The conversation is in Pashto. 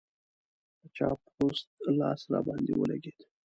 د چا پوست لاس راباندې ولګېد.